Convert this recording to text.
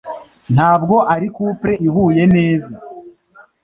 Ntabwo ari couple ihuye neza.